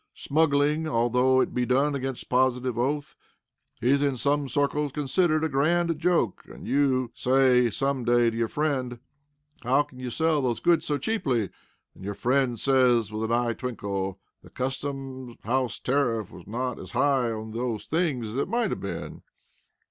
Smuggling, although it be done against positive oath, is in some circles considered a grand joke; and you say some day to your friend, "How can you sell those goods so cheaply?" and your friend says with an eye twinkle, "The Custom House tariff was not as high on those things as it might have been."